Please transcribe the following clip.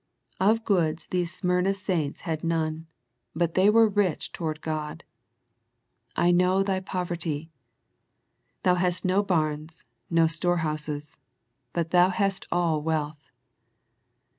Of goods these Smyrna saints had none, but they were rich toward God. " I know thy poverty," thou hast no barns, no store house, but thou hast all wealth.